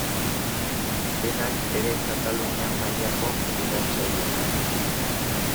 Denak ere Katalunian mailako irratsaioak.